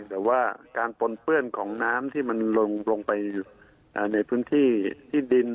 แต่ว่าการปนเปื้อนของน้ำที่มันลงไปในพื้นที่ที่ดิน